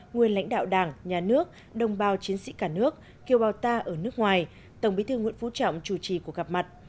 nguyên lãnh đạo đảng nhà nước đồng bào chiến sĩ cả nước kiều bào ta ở nước ngoài tổng bí thư nguyễn phú trọng chủ trì cuộc gặp mặt